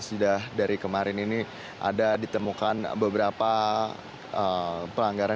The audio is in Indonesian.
sudah dari kemarin ini ada ditemukan beberapa pelanggaran